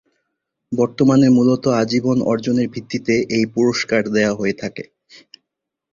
বর্তমানে মূলত আজীবন অর্জনের ভিত্তিতে এই পুরস্কার দেয়া হয়ে থাকে।